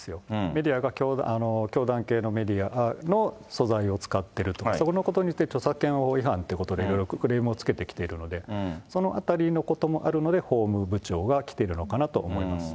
メディアが、教団系のメディアの素材を使ってるとか、そのことについて著作権違反ということで、そのあたりのこともあるので法務部長が来てるのかなと思います。